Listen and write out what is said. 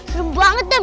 serem banget adam